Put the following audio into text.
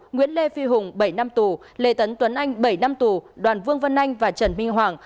nguyễn lê phi hùng bảy năm tù lê tấn tuấn anh bảy năm tù đoàn vương văn anh và trần minh hoàng